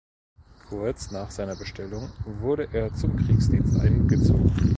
Kurz nach seiner Bestellung wurde er zum Kriegsdienst eingezogen.